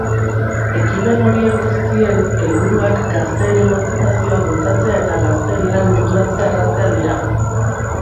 Ekimen horien guztien helburuak gazteen emantzipazioa bultzatzea eta gazteen lan munduratzea erraztea dira.